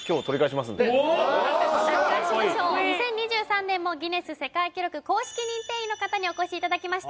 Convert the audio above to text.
カッコいいご紹介しましょう２０２３年もギネス世界記録公式認定員の方にお越しいただきました